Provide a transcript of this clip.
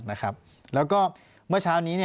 ปากกับภาคภูมิ